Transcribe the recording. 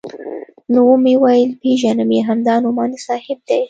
نو ومې ويل پېژنم يې همدا نعماني صاحب دى.